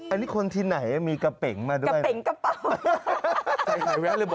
อันนี้คนที่ไหนมีกะเป็งมาด้วย